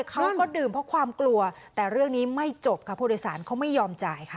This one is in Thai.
เขาก็ดื่มเพราะความกลัวแต่เรื่องนี้ไม่จบค่ะผู้โดยสารเขาไม่ยอมจ่ายค่ะ